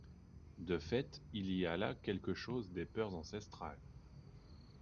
De fait, il y a là quelque chose des peurs ancestrales.